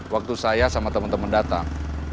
waktu saya sama temen temen datang